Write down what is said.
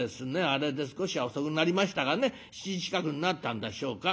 あれで少しは遅くなりましたがね７時近くになったんでしょうか。